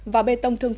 và bê tông thương mại